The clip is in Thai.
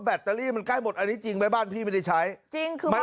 ตเตอรี่มันใกล้หมดอันนี้จริงไหมบ้านพี่ไม่ได้ใช้จริงคือมัน